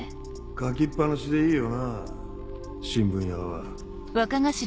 書きっ放しでいいよなぁ新聞屋は。